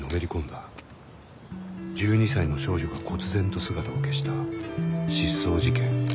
１２歳の少女がこつ然と姿を消した失踪事件。